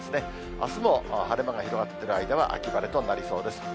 あすも晴れ間が広がってる間は、秋晴れとなりそうです。